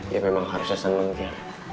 ya memang harusnya seneng kian